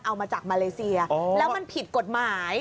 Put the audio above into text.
เอามาจากมาเลเซียแล้วมันผิดกฎหมาย